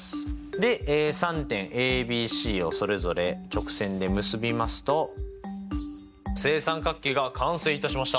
で３点ＡＢＣをそれぞれ直線で結びますと正三角形が完成いたしました。